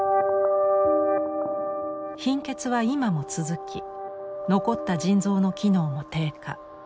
貧血は今も続き残った腎臓の機能も低下。